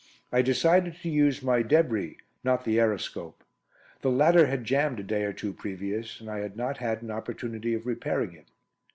I decided to use my debrie, not the aeroscope. The latter had jambed a day or two previous, and I had not had an opportunity of repairing it.